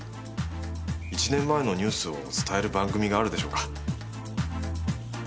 １年前のニュースを伝える番組があるでしょうか？